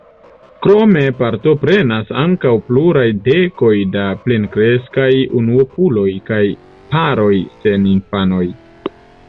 Krome partoprenas ankaŭ pluraj dekoj da plenkreskaj unuopuloj kaj paroj sen infanoj.